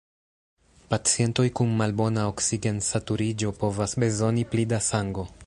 Pacientoj kun malbona oksigensaturiĝo povas bezoni pli da sango.